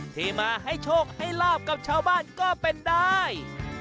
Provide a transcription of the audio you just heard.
ที่มาให้โชคให้ลาบกับชาวบ้านก็เป็นได้